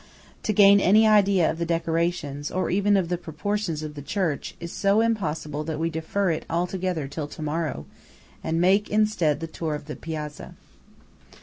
To gain any idea of the decorations, or even of the proportions of the church, is so impossible that we defer it altogether till to morrow, and make, instead, the tour of the piazza.